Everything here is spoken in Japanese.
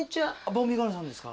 ボンビーガールさんですか？